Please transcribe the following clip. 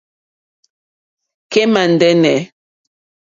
Kémà ndɛ́nɛ̀.